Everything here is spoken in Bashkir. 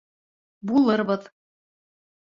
Булырбыҙ.